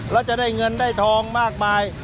แล้วจะได้เงินได้ทองมากมาย